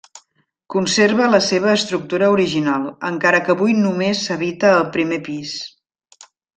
Conserva la seva estructura original, encara que avui només s'habita el primer pis.